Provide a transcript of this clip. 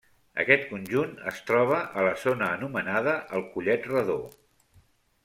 Aquest conjunt es troba a la zona anomenada el Collet Redó.